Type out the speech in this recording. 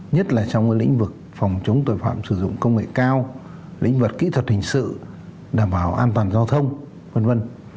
nhất là trong lĩnh vực phòng chống tội phạm sử dụng công nghệ cao lĩnh vực kỹ thuật hình sự đảm bảo an toàn giao thông v v